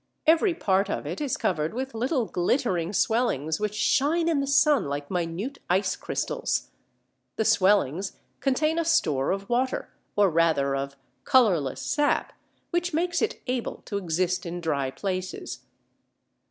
Every part of it is covered with little glittering swellings which shine in the sun like minute ice crystals. The swellings contain a store of water, or rather of colourless sap, which makes it able to exist in dry places.